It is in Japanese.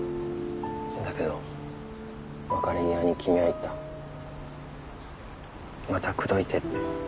だけど別れ際に君は言ったまた口説いてって。